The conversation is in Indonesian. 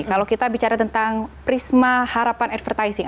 kalau kita bicara tentang prisma harapan advertising